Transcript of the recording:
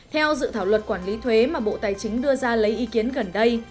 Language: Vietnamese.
theo dự thảo luật quản lý thuế mà bộ tài chính đưa ra lấy ý kiến gần đây